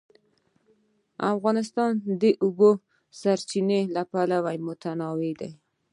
افغانستان د د اوبو سرچینې له پلوه متنوع دی.